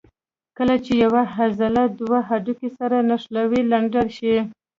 کله چې یوه عضله دوه هډوکي سره نښلوي لنډه شي.